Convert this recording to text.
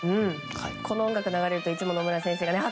この音楽が流れるといつも野村先生があ！